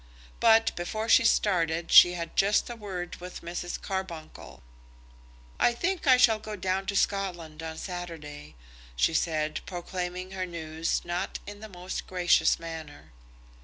But before she started she had just a word with Mrs. Carbuncle. "I think I shall go down to Scotland on Saturday," she said, proclaiming her news not in the most gracious manner.